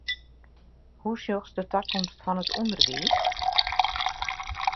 Hoe sjochst de takomst fan it ûnderwiis?